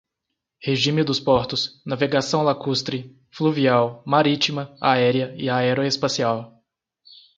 regime dos portos, navegação lacustre, fluvial, marítima, aérea e aeroespacial;